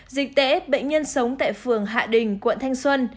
dịch tễ bệnh nhân sống tại phường hạ đình quận thanh xuân